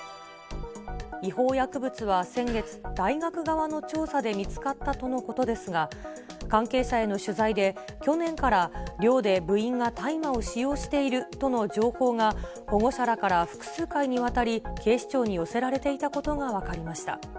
違法薬物は先月、大学側の調査で見つかったとのことですが、関係者への取材で、去年から寮で部員が大麻を使用しているとの情報が保護者らから複数回にわたり、警視庁に寄せられていたことが分かりました。